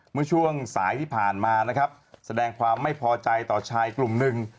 เมื่อช่วงสายที่ผ่านมานะครับแสดงความไม่พอใจต่อชายกลุ่มหนึ่ง